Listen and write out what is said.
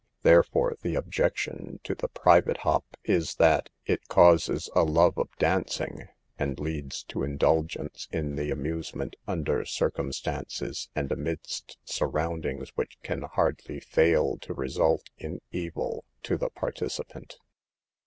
Therefore, the objection to the private hop is that it causes a love of dancing, and leads to indulgence in the amusement under cir cumstances and amidst surroundings which 106 SAVE THE GIBLS. can hardly fail to result in evil to the partici pant.